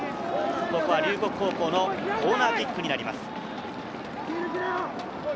龍谷高校のコーナーキックになります。